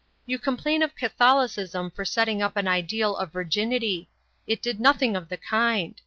You complain of Catholicism for setting up an ideal of virginity; it did nothing of the kind.